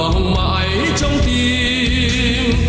đường mãi trong tim